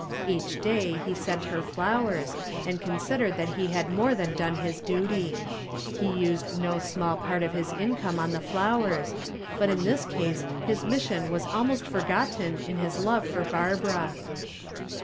Each day he sent her flowers and considered that he had more than done his duty. He used no small part of his income on the flowers, but in this case his mission was almost forgotten in his love for Barbara.